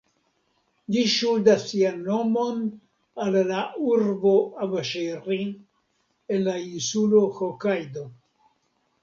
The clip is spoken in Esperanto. Ĝi ŝuldas sian nomon al la urbo Abaŝiri en la insulo Hokajdo.